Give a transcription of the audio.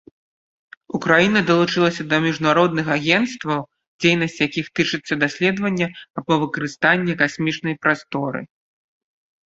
Украіна далучылася да міжнародных агенцтваў, дзейнасць якіх тычыцца даследавання або выкарыстання касмічнай прасторы.